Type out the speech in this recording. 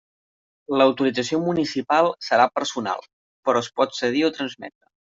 L'autorització municipal serà personal, però es pot cedir o transmetre.